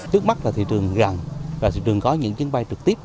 trước mắt là thị trường rằng là thị trường có những chuyến bay trực tiếp